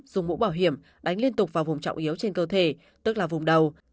dùng mũ bảo hiểm đánh liên tục vào vùng trọng yếu trên cơ thể tức là vùng đầu